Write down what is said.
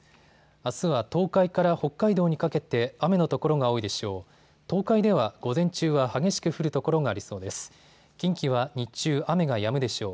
あすは東海から北海道にかけて雨の所が多いでしょう。